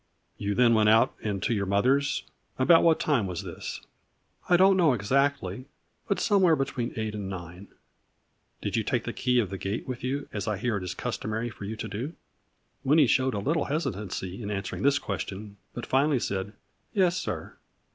"You then went out and to your mother's? About what time was this ?"" I do not know exactly, but somewhere between eight and nine." 5 6<5 A FLURRY IN DIAMONDS. " Did you take the key of the gate with you, as I hear it is customary for you to do ?" Winnie showed a little hesitancy in answer ing this question, but finally said. " Yes, sir."